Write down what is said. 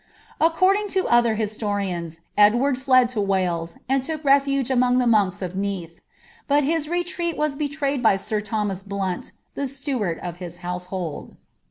According to other historians, Edward fled to Wales, and took refuge among the monks of Neath ; but his retreat was betrayed by Sir Thomas Blunt, the steward of his household.